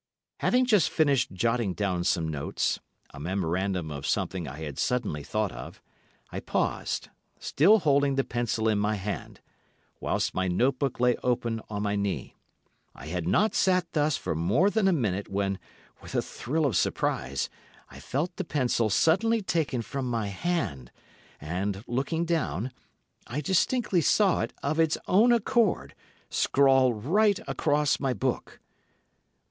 Having just finished jotting down some notes—a memorandum of something I had suddenly thought of—I paused, still holding the pencil in my hand, whilst my note book lay open on my knee. I had not sat thus for more than a minute, when, with a thrill of surprise, I felt the pencil suddenly taken from my hand, and, looking down, I distinctly saw it, of its own accord, scrawl right across my book.